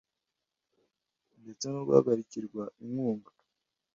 ndetse no guhagarikirwa inkunga,